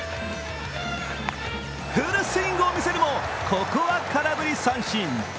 フルスイングを見せるもここは空振り三振。